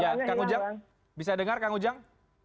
ya kang ujang bisa dengar kang ujang